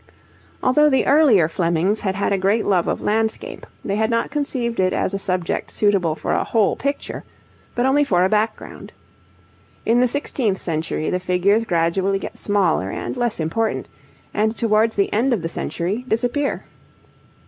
Although the earlier Flemings had had a great love of landscape, they had not conceived it as a subject suitable for a whole picture, but only for a background. In the sixteenth century the figures gradually get smaller and less important, and towards the end of the century disappear.